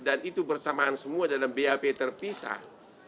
dan itu bersamaan semua dalam bap terpisah